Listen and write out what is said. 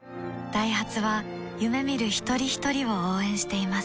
ダイハツは夢見る一人ひとりを応援しています